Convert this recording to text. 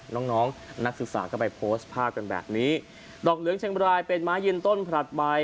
น้องน้องนักศึกษาก็ไปโพสต์ภาพกันแบบนี้ดอกเหลืองเชียงบรายเป็นม้ายืนต้นผลัดใบ